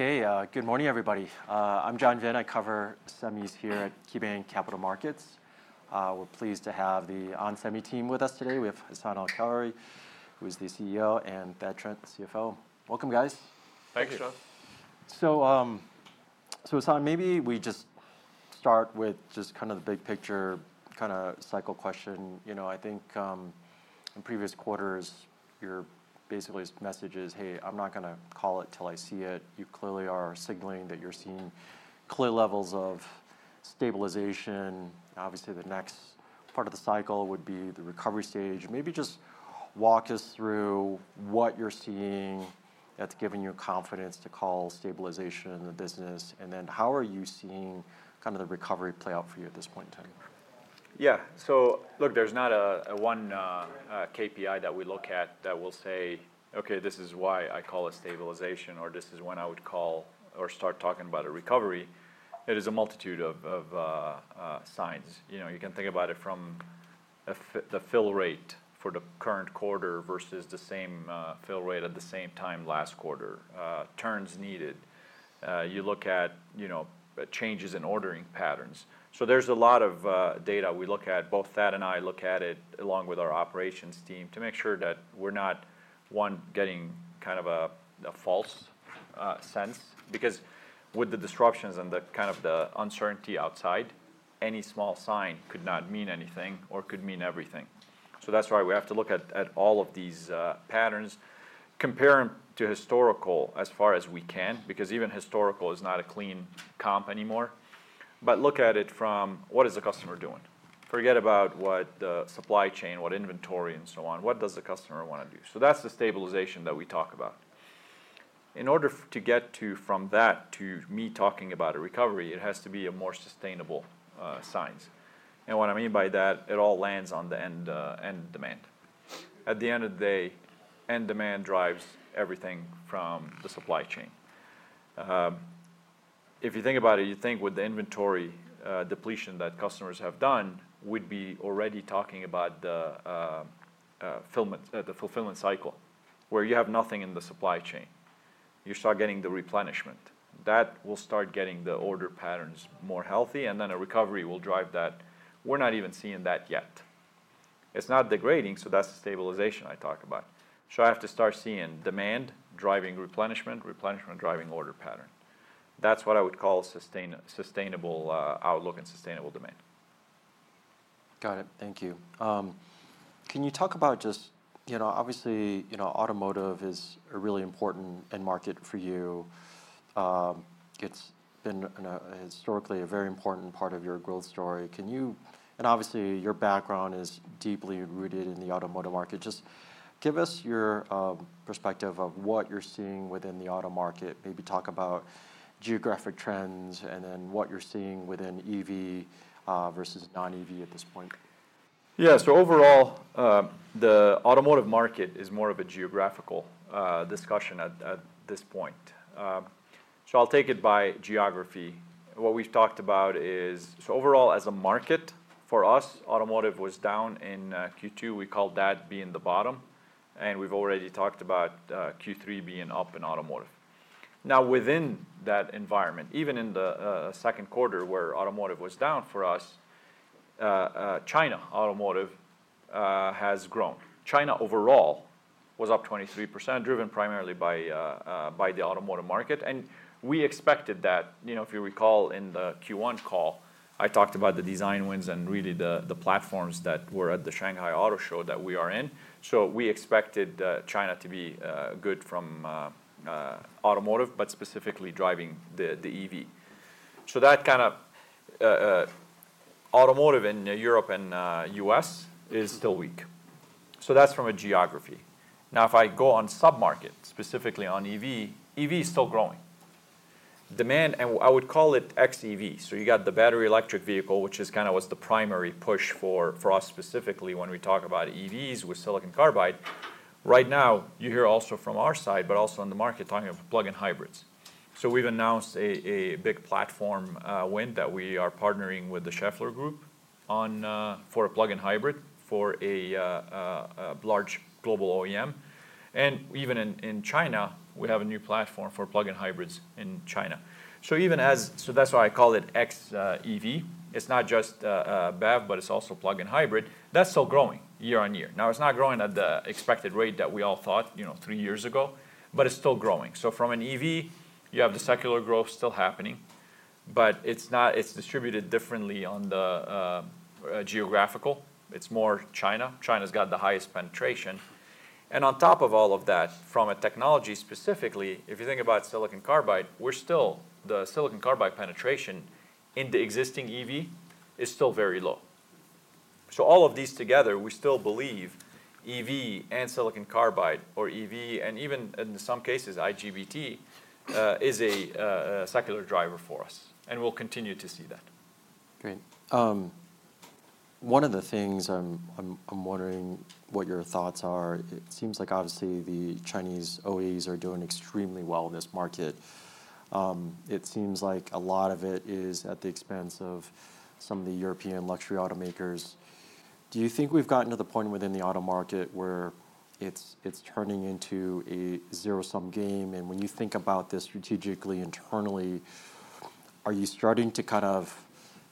Okay, good morning everybody. I'm John Vinh. I cover semis here at KeyBanc Capital Markets. We're pleased to have the onsemi team with us today. We have Hassane El-Khoury, who is the CEO, and Thad Trent, the CFO. Welcome, guys. Thanks, John. Hassane, maybe we just start with kind of the big picture, kind of cycle question. I think, in previous quarters, your basically message is, "Hey, I'm not going to call it till I see it." You clearly are signaling that you're seeing clear levels of stabilization. Obviously, the next part of the cycle would be the recovery stage. Maybe just walk us through what you're seeing that's giving you confidence to call stabilization in the business. Then how are you seeing kind of the recovery play out for you at this point in time? Yeah, look, there's not one KPI that we look at that will say, "Okay, this is why I call a stabilization," or "This is when I would call or start talking about a recovery." It is a multitude of signs. You can think about it from the fill rate for the current quarter versus the same fill rate at the same time last quarter, turns needed. You look at changes in ordering patterns. There's a lot of data we look at. Both Thad and I look at it along with our operations team to make sure that we're not, one, getting kind of a false sense. With the disruptions and the uncertainty outside, any small sign could not mean anything or could mean everything. That's why we have to look at all of these patterns, compare them to historical as far as we can, because even historical is not a clean comp anymore. Look at it from what is the customer doing. Forget about what the supply chain, what inventory, and so on. What does the customer want to do? That's the stabilization that we talk about. In order to get from that to me talking about a recovery, it has to be more sustainable signs. What I mean by that, it all lands on the end demand. At the end of the day, end demand drives everything from the supply chain. If you think about it, you think with the inventory depletion that customers have done, we would be already talking about the fulfillment cycle where you have nothing in the supply chain. You start getting the replenishment. That will start getting the order patterns more healthy, and then a recovery will drive that. We're not even seeing that yet. It's not degrading, that's the stabilization I talk about. I have to start seeing demand driving replenishment, replenishment driving order pattern. That's what I would call a sustainable outlook and sustainable demand. Got it. Thank you. Can you talk about just, you know, obviously, you know, automotive is a really important end market for you. It's been historically a very important part of your growth story. Can you, and obviously your background is deeply rooted in the automotive market, just give us your perspective of what you're seeing within the auto market, maybe talk about geographic trends, and then what you're seeing within EV versus non-EV at this point. Yeah, so overall, the automotive market is more of a geographical discussion at this point. I'll take it by geography. What we've talked about is, overall, as a market for us, automotive was down in Q2. We called that being the bottom, and we've already talked about Q3 being up in automotive. Now, within that environment, even in the second quarter where automotive was down for us, China automotive has grown. China overall was up 23%, driven primarily by the automotive market. We expected that. If you recall in the Q1 call, I talked about the design wins and really the platforms that were at the Shanghai Auto Show that we are in. We expected China to be good from automotive, specifically driving the EV. Automotive in Europe and the U.S. is still weak. That's from a geography. Now, if I go on submarket, specifically on EV, EV is still growing. Demand, and I would call it xEV. You got the battery electric vehicle, which is kind of what's the primary push for us specifically when we talk about EVs with silicon carbide. Right now, you hear also from our side, but also in the market, talking about plug-in hybrids. We've announced a big platform win that we are partnering with the Schaeffler Group for a plug-in hybrid for a large global OEM. Even in China, we have a new platform for plug-in hybrids in China. That's why I call it xEV. It's not just a BEV, but it's also a plug-in hybrid. That's still growing year-on-year. It's not growing at the expected rate that we all thought, you know, three years ago, but it's still growing. From an EV, you have the secular growth still happening, but it's distributed differently on the geographical. It's more China. China's got the highest penetration. On top of all of that, from a technology specifically, if you think about silicon carbide, the silicon carbide penetration in the existing EV is still very low. All of these together, we still believe EV and silicon carbide, or EV, and even in some cases, IGBT, is a secular driver for us. We'll continue to see that. Great. One of the things I'm wondering what your thoughts are. It seems like obviously the Chinese OEMs are doing extremely well in this market. It seems like a lot of it is at the expense of some of the European luxury automakers. Do you think we've gotten to the point within the auto market where it's turning into a zero-sum game? When you think about this strategically internally, are you starting to kind of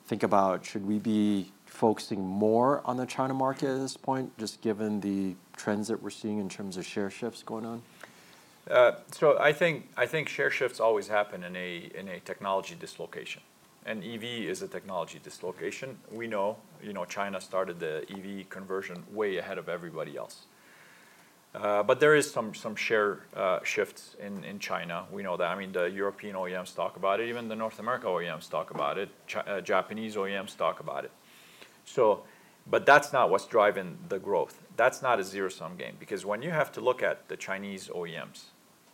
think about, should we be focusing more on the China market at this point, just given the trends that we're seeing in terms of share shifts going on? I think share shifts always happen in a technology dislocation, and EV is a technology dislocation. We know China started the EV conversion way ahead of everybody else. There are some share shifts in China. We know that. The European OEMs talk about it. Even the North America OEMs talk about it. Japanese OEMs talk about it. That's not what's driving the growth. That's not a zero-sum game. When you have to look at the Chinese OEMs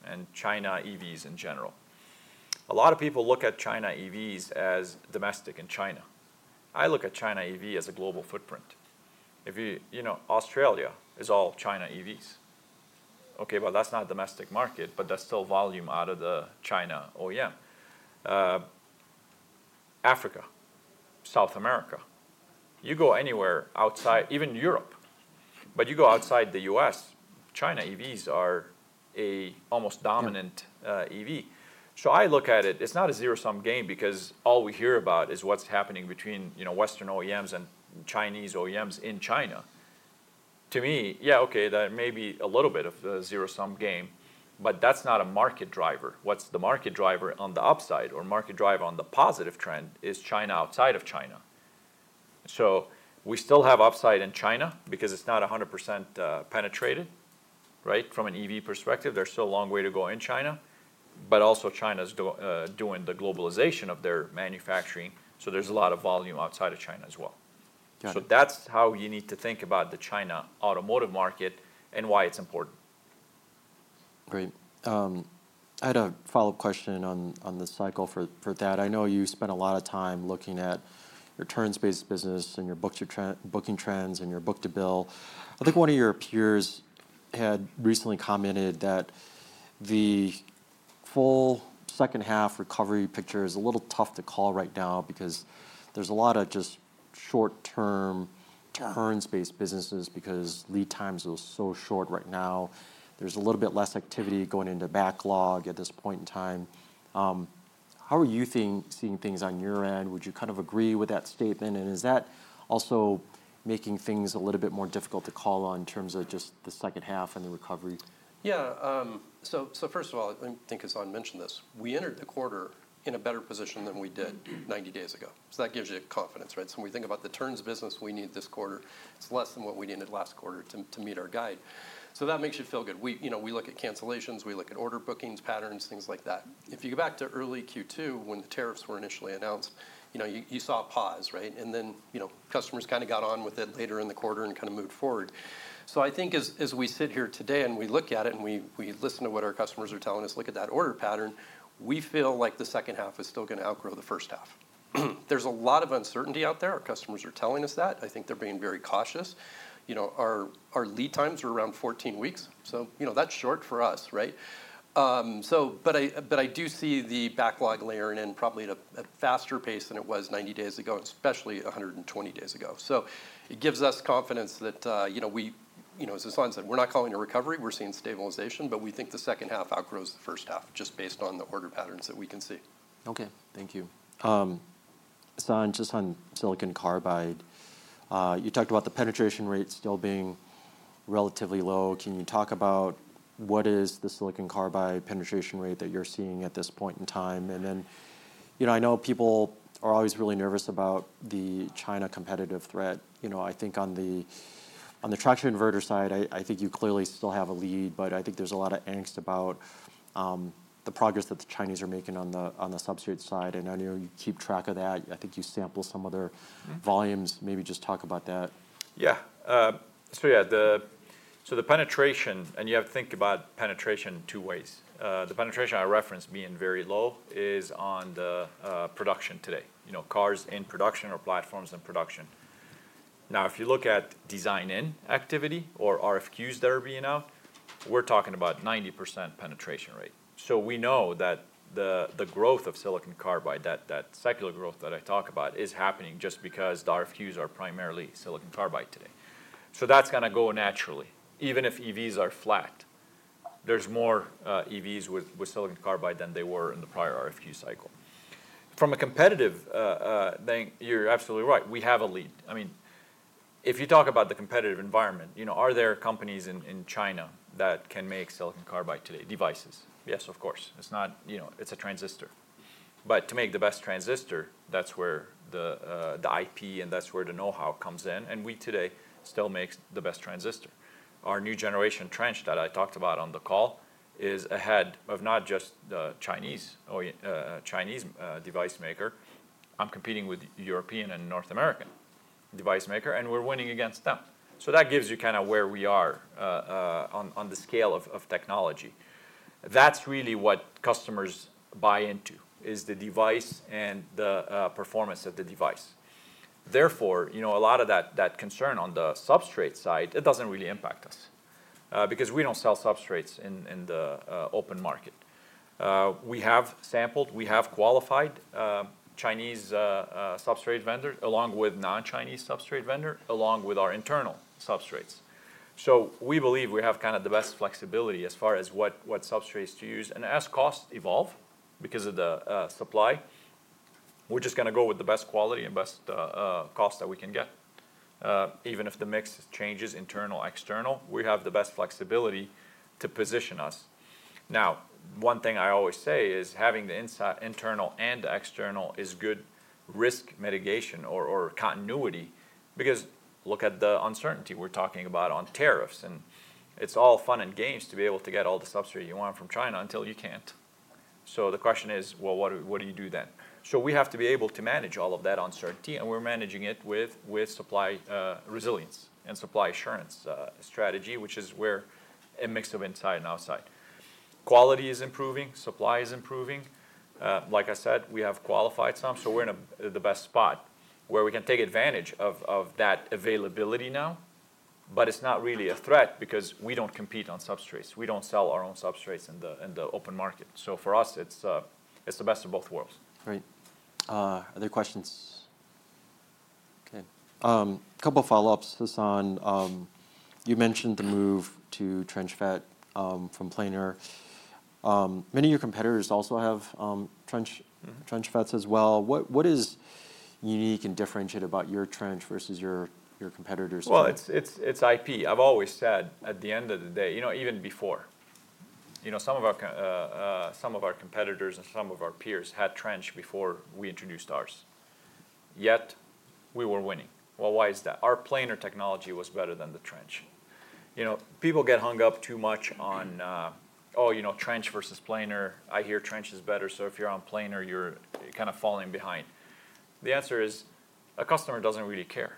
and China EVs in general, a lot of people look at China EVs as domestic and China. I look at China EV as a global footprint. If you, you know, Australia is all China EVs. That's not a domestic market, but that's still volume out of the China OEM. Africa, South America, you go anywhere outside, even Europe, but you go outside the U.S., China EVs are an almost dominant EV. I look at it, it's not a zero-sum game because all we hear about is what's happening between Western OEMs and Chinese OEMs in China. To me, yeah, that may be a little bit of a zero-sum game, but that's not a market driver. What's the market driver on the upside or market driver on the positive trend is China outside of China. We still have upside in China because it's not 100% penetrated, right? From an EV perspective, there's still a long way to go in China, but also China's doing the globalization of their manufacturing. There's a lot of volume outside of China as well. That's how you need to think about the China automotive market and why it's important. Great. I had a follow-up question on the cycle for Thad. I know you spent a lot of time looking at your turns-based business and your booking trends and your book-to-bill. I think one of your peers had recently commented that the full second half recovery picture is a little tough to call right now because there's a lot of just short-term turns-based businesses because lead times are so short right now. There's a little bit less activity going into backlog at this point in time. How are you seeing things on your end? Would you kind of agree with that statement? Is that also making things a little bit more difficult to call on in terms of just the second half and the recovery? Yeah. First of all, I think Hassane mentioned this. We entered the quarter in a better position than we did 90 days ago. That gives you confidence, right? When we think about the turns business we need this quarter, it's less than what we needed last quarter to meet our guide. That makes you feel good. We look at cancellations, we look at order bookings patterns, things like that. If you go back to early Q2 when the tariffs were initially announced, you saw a pause, right? Then customers kind of got on with it later in the quarter and kind of moved forward. I think as we sit here today and we look at it and we listen to what our customers are telling us, look at that order pattern, we feel like the second half is still going to outgrow the first half. There's a lot of uncertainty out there. Our customers are telling us that. I think they're being very cautious. Our lead times are around 14 weeks. That's short for us, right? I do see the backlog layering in probably at a faster pace than it was 90 days ago, and especially 120 days ago. That gives us confidence that, as Hassane said, we're not calling it a recovery. We're seeing stabilization, but we think the second half outgrows the first half just based on the order patterns that we can see. Okay. Thank you. Hassane, just on Silicon Carbide, you talked about the penetration rate still being relatively low. Can you talk about what is the silicon carbide penetration rate that you're seeing at this point in time? I know people are always really nervous about the China competitive threat. I think on the traction inverter side, you clearly still have a lead, but I think there's a lot of angst about the progress that the Chinese are making on the substrate side. I know you keep track of that. I think you sample some other volumes. Maybe just talk about that. Yeah, so the penetration, and you have to think about penetration two ways. The penetration I referenced being very low is on the production today. You know, cars in production or platforms in production. Now, if you look at design-in activity or RFQs that are being out, we're talking about a 90% penetration rate. We know that the growth of silicon carbide, that secular growth that I talk about, is happening just because the RFQs are primarily silicon carbide today. That's going to go naturally. Even if EVs are flat, there's more EVs with silicon carbide than there were in the prior RFQ cycle. From a competitive thing, you're absolutely right. We have a lead. If you talk about the competitive environment, are there companies in China that can make silicon carbide today? Devices. Yes, of course. It's not, you know, it's a transistor. To make the best transistor, that's where the IP and that's where the know-how comes in. We today still make the best transistor. Our new generation trench that I talked about on the call is ahead of not just the Chinese device maker. I'm competing with European and North American device maker, and we're winning against them. That gives you kind of where we are on the scale of technology. That's really what customers buy into is the device and the performance of the device. Therefore, a lot of that concern on the substrate side, it doesn't really impact us, because we don't sell substrates in the open market. We have sampled, we have qualified, Chinese substrate vendor along with non-Chinese substrate vendor along with our internal substrates. We believe we have kind of the best flexibility as far as what substrates to use. As costs evolve because of the supply, we're just going to go with the best quality and best costs that we can get. Even if the mix changes internal or external, we have the best flexibility to position us. One thing I always say is having the internal and external is good risk mitigation or continuity because look at the uncertainty we're talking about on tariffs, and it's all fun and games to be able to get all the substrate you want from China until you can't. The question is, what do you do then? We have to be able to manage all of that uncertainty, and we're managing it with supply resilience and supply assurance strategy, which is where a mix of inside and outside. Quality is improving, supply is improving. Like I said, we have qualified some, so we're in the best spot where we can take advantage of that availability now. It's not really a threat because we don't compete on substrates. We don't sell our own substrates in the open market. For us, it's the best of both worlds. Great. Other questions? Okay. A couple of follow-ups, Hassane. You mentioned the move to Trench FET from Planar. Many of your competitors also have Trench FETs as well. What is unique and differentiated about your trench versus your competitors? It's IP. I've always said at the end of the day, even before some of our competitors and some of our peers had trench before we introduced ours, yet we were winning. Why is that? Our Planar technology was better than the trench. People get hung up too much on, oh, trench versus Planar. I hear trench is better, so if you're on Planar, you're kind of falling behind. The answer is a customer doesn't really care.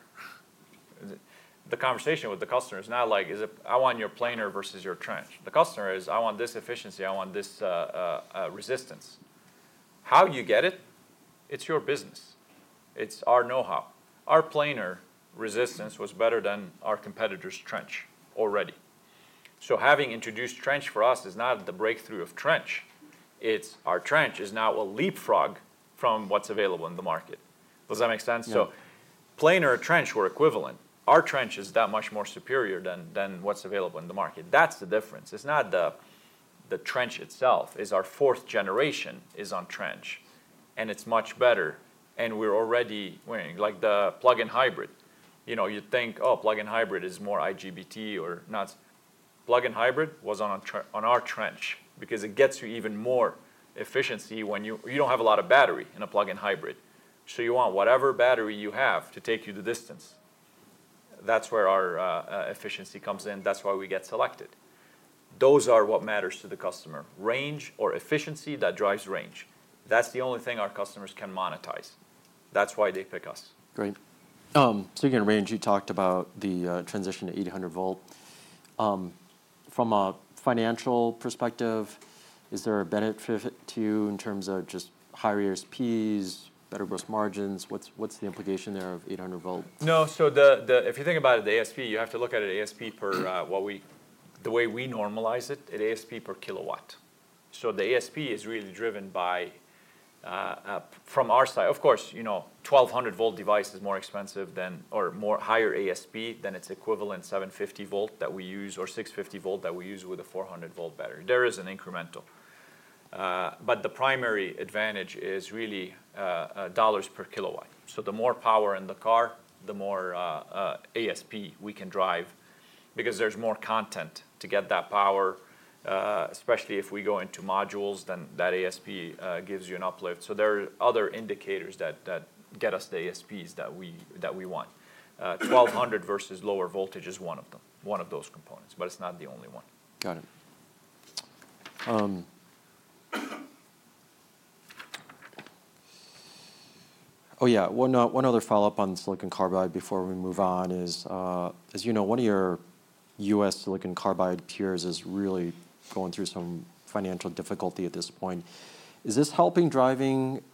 The conversation with the customer is not like, is it, I want your Planar versus your trench. The customer is, I want this efficiency. I want this resistance. How you get it, it's your business. It's our know-how. Our Planar resistance was better than our competitors' trench already. Having introduced trench for us is not the breakthrough of trench. Our trench is now a leapfrog from what's available in the market. Does that make sense? Planar or trench were equivalent. Our trench is that much more superior than what's available in the market. That's the difference. It's not the trench itself. Our fourth-generation is on trench, and it's much better. We're already winning. Like the plug-in hybrid. You think, oh, plug-in hybrid is more IGBT or not. Plug-in hybrid was on our trench because it gets you even more efficiency when you don't have a lot of battery in a plug-in hybrid. You want whatever battery you have to take you the distance. That's where our efficiency comes in. That's why we get selected. Those are what matters to the customer. Range or efficiency that drives range. That's the only thing our customers can monetize. That's why they pick us. Great. Speaking of range, you talked about the transition to 800 Volt. From a financial perspective, is there a benefit to you in terms of just higher ASPs, better gross margins? What's the implication there of 800 Volt? No, if you think about it, the ASP, you have to look at an ASP per, what we, the way we normalize it, an ASP per kilowatt. The ASP is really driven by, from our side. Of course, you know, 1,200 volt device is more expensive than, or higher ASP than its equivalent 750 volt that we use, or 650 volt that we use with a 400 volt battery. There is an incremental, but the primary advantage is really dollars per kilowatt. The more power in the car, the more ASP we can drive because there's more content to get that power, especially if we go into modules, then that ASP gives you an uplift. There are other indicators that get us the ASPs that we want. 1,200 versus lower voltage is one of them, one of those components, but it's not the only one. Got it. Oh yeah, one other follow-up on silicon carbide before we move on is, as you know, one of your U.S. silicon carbide tiers is really going through some financial difficulty at this point. Is this helping drive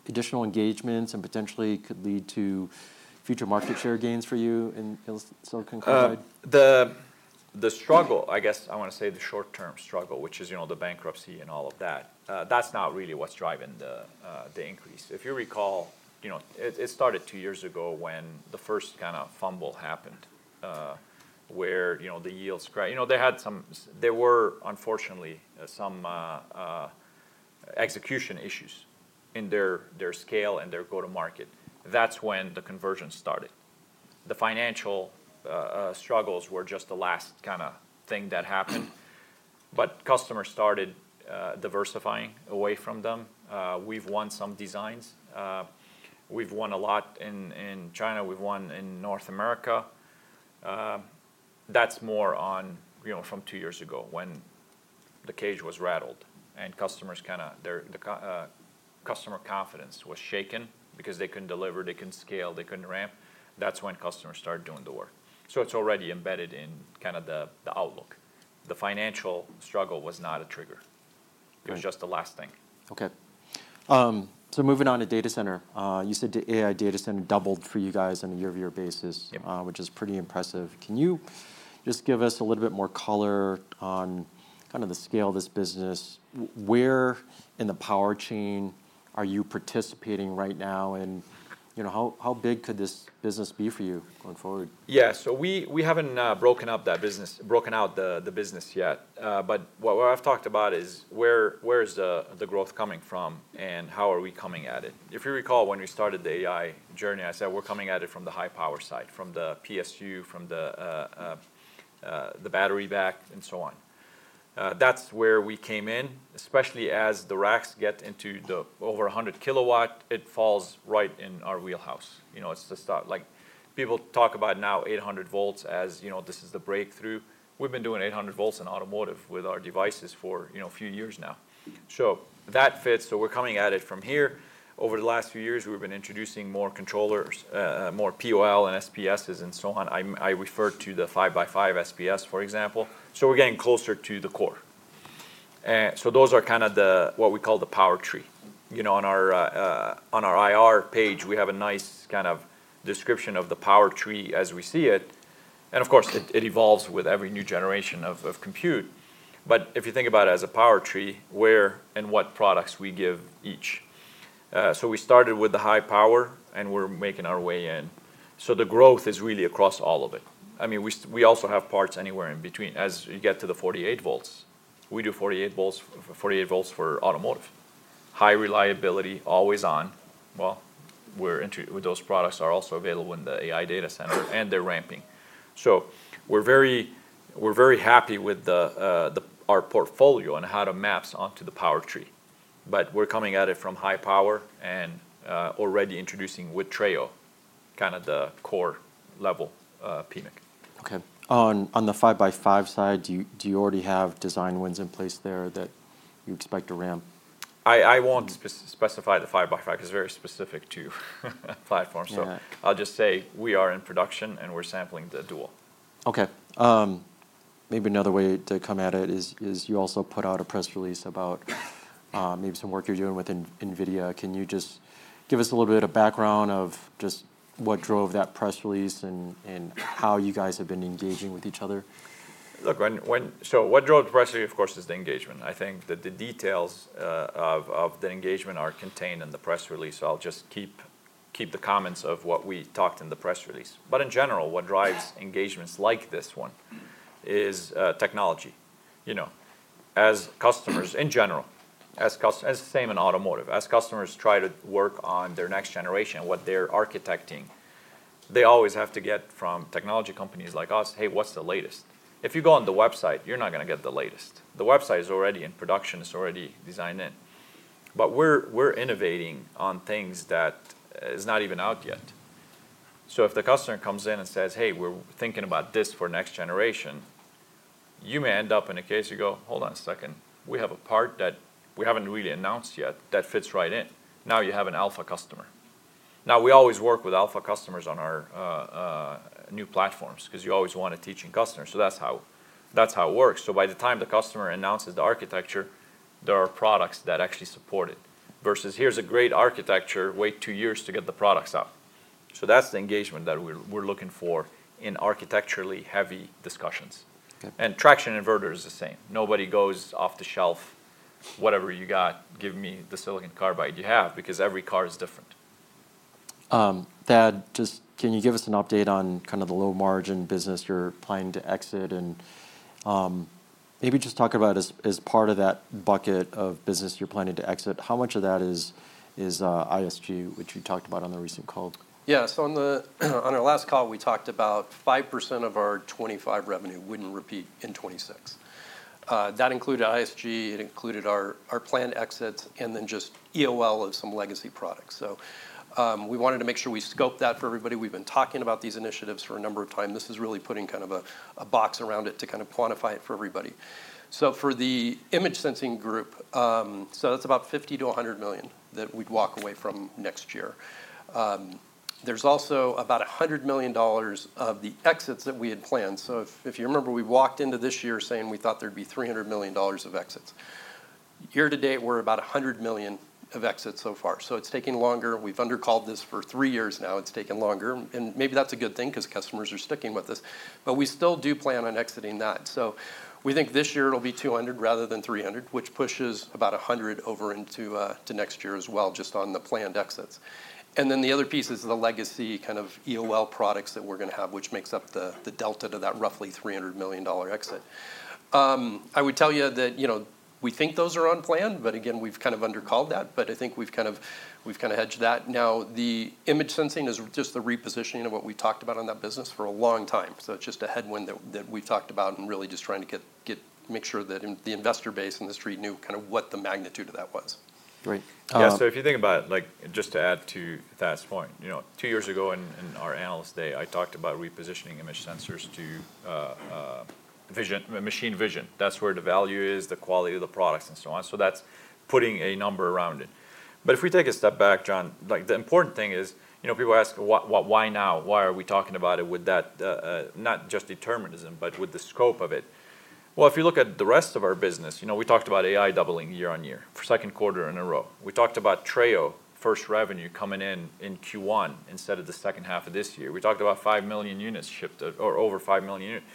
additional engagements and potentially could lead to future market share gains for you in silicon carbide? The struggle, I guess I want to say the short-term struggle, which is, you know, the bankruptcy and all of that, that's not really what's driving the increase. If you recall, it started two years ago when the first kind of fumble happened, where the yields crashed. They had some, there were unfortunately some, execution issues in their scale and their go-to-market. That's when the conversion started. The financial struggles were just the last kind of thing that happened. Customers started diversifying away from them. We've won some designs. We've won a lot in China. We've won in North America. That's more on, you know, from two years ago when the cage was rattled and customer confidence was shaken because they couldn't deliver, they couldn't scale, they couldn't ramp. That's when customers started doing the work. It's already embedded in the outlook. The financial struggle was not a trigger. It was just the last thing. Okay, moving on to data center, you said the AI data center doubled for you guys on a year-to-year basis, which is pretty impressive. Can you just give us a little bit more color on kind of the scale of this business? Where in the power chain are you participating right now? You know, how big could this business be for you going forward? Yeah, we haven't broken out the business yet. What I've talked about is where the growth is coming from and how we are coming at it. If you recall, when we started the AI journey, I said we're coming at it from the high power side, from the PSU, from the battery back, and so on. That's where we came in, especially as the racks get into the over 100 kilowatt, it falls right in our wheelhouse. It's the start. People talk about now 800 volts as this is the breakthrough. We've been doing 800 volts in automotive with our devices for a few years now. That fits. We're coming at it from here. Over the last few years, we've been introducing more controllers, more POL and SPSs, and so on. I refer to the 5x5 SPS, for example. We're getting closer to the core. Those are kind of what we call the Power Tree. On our IR page, we have a nice description of the power tree as we see it. Of course, it evolves with every new generation of compute. If you think about it as a power tree, where and what products we give each. We started with the high power and we're making our way in. The growth is really across all of it. We also have parts anywhere in between. As you get to the 48 volts, we do 48 volts for automotive. High reliability, always on. We're into those products, are also available in the AI data center and they're ramping. We're very happy with our portfolio and how to map onto the power tree. We're coming at it from high power and already introducing with Trail, kind of the core level PMIC. Okay. On the 5x5 side, do you already have design wins in place there that you expect to ramp? I won't specify the 5x5 because it's very specific to platform. I'll just say we are in production and we're sampling the dual. Okay. Maybe another way to come at it is you also put out a press release about maybe some work you're doing with NVIDIA. Can you just give us a little bit of background of just what drove that press release and how you guys have been engaging with each other? Look, what drove the press release, of course, is the engagement. I think that the details of the engagement are contained in the press release. I'll just keep the comments of what we talked in the press release. In general, what drives engagements like this one is technology. As customers in general, as customers, as same in automotive, as customers try to work on their next generation, what they're architecting, they always have to get from technology companies like us, "Hey, what's the latest?" If you go on the website, you're not going to get the latest. The website is already in production, it's already designed in. We're innovating on things that are not even out yet. If the customer comes in and says, "Hey, we're thinking about this for next generation," you may end up in a case you go, "Hold on a second. We have a part that we haven't really announced yet that fits right in." Now you have an alpha customer. We always work with alpha customers on our new platforms because you always want a teaching customer. That's how it works. By the time the customer announces the architecture, there are products that actually support it versus here's a great architecture, wait two years to get the products out. That's the engagement that we're looking for in architecturally heavy discussions. Traction Inverter is the same. Nobody goes off the shelf, whatever you got, give me the silicon carbide you have because every car is different. Thad, just can you give us an update on kind of the low margin business you're planning to exit, and maybe just talk about as part of that bucket of business you're planning to exit, how much of that is ISG, which you talked about on the recent call? Yeah, on our last call, we talked about 5% of our 2025 revenue wouldn't repeat in 2026. That included Intelligent Sensing Group, it included our planned exits, and then just EOL of some legacy products. We wanted to make sure we scoped that for everybody. We've been talking about these initiatives for a number of times. This is really putting kind of a box around it to quantify it for everybody. For the Image Sensing Group, that's about $50 million-$100 million that we'd walk away from next year. There's also about $100 million of the exits that we had planned. If you remember, we walked into this year saying we thought there'd be $300 million of exits. Year to date, we're about $100 million of exits so far. It's taking longer. We've undercalled this for three years now. It's taken longer. Maybe that's a good thing because customers are sticking with this. We still do plan on exiting that. We think this year it'll be $200 million rather than $300 million, which pushes about $100 million over into next year as well, just on the planned exits. The other piece is the legacy kind of EOL products that we're going to have, which makes up the delta to that roughly $300 million exit. I would tell you that we think those are unplanned, but again, we've kind of undercalled that. I think we've kind of hedged that. Now, the Image Sensing is just the repositioning of what we talked about in that business for a long time. It's just a headwind that we've talked about and really just trying to make sure that the investor base and the street knew what the magnitude of that was. Right. Yeah, if you think about it, just to add to Thad's point, two years ago in our analyst day, I talked about repositioning image sensors to machine vision. That's where the value is, the quality of the products and so on. That's putting a number around it. If we take a step back, John, the important thing is, people ask, what, why now? Why are we talking about it with that, not just determinism, but with the scope of it? If you look at the rest of our business, we talked about AI doubling year-on-year, for the second quarter in a row. We talked about Trail, first revenue coming in in Q1 instead of the second half of this year. We talked about 5 million units shipped or over 5 million units.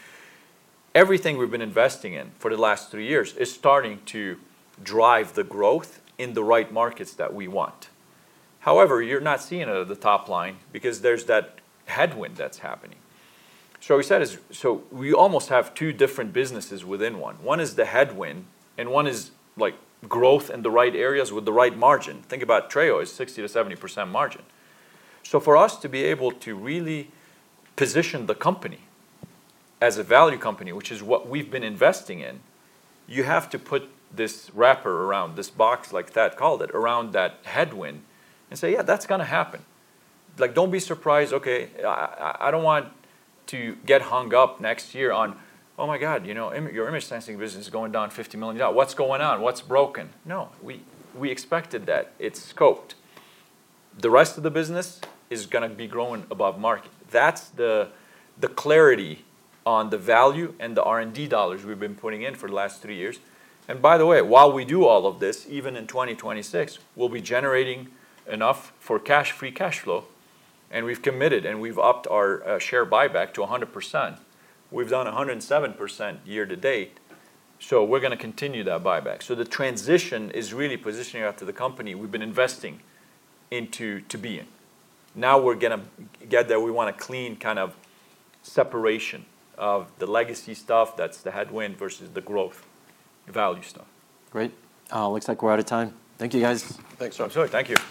Everything we've been investing in for the last three years is starting to drive the growth in the right markets that we want. However, you're not seeing it at the top line because there's that headwind that's happening. We said, we almost have two different businesses within one. One is the headwind and one is growth in the right areas with the right margin. Think about Trail as 60%-70% margin. For us to be able to really position the company as a value company, which is what we've been investing in, you have to put this wrapper around this box, like Thad called it, around that headwind and say, yeah, that's going to happen. Don't be surprised. I don't want to get hung up next year on, oh my God, your image sensing business is going down $50 million. What's going on? What's broken? No, we expected that, it's scoped. The rest of the business is going to be growing above market. That's the clarity on the value and the R&D dollars we've been putting in for the last three years. By the way, while we do all of this, even in 2026, we'll be generating enough for cash-free cash flow. We've committed and we've upped our share buyback to 100%. We've done 107% year to date. We're going to continue that buyback. The transition is really positioning out to the company we've been investing into to be in. Now we're going to get that, we want a clean kind of separation of the legacy stuff that's the headwind versus the growth value stuff. Great. Looks like we're out of time. Thank you, guys. Thanks, John. Sure, thank you.